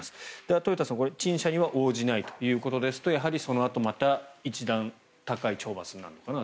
豊田さん、陳謝には応じないということですとそのあと、また一段高い懲罰になるのかなと。